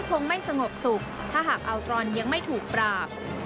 คงไม่สงบสุขถ้าหากอัลตรอนยังไม่ถูกปราบ